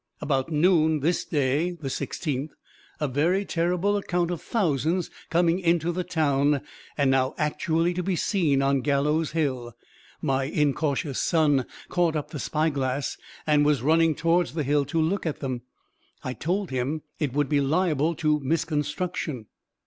About noon this day (16th) a very terrible account of thousands coming into the town, and now actually to be seen on Gallows Hill: my incautious son caught up the spyglass, and was running towards the hill to look at them. I told him it would be liable to misconstruction."